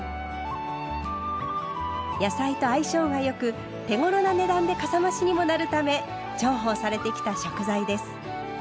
野菜と相性がよく手ごろな値段でかさ増しにもなるため重宝されてきた食材です。